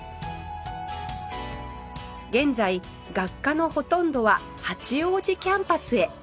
現在学科のほとんどは八王子キャンパスへ